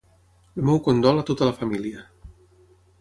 El meu condol a tota la família.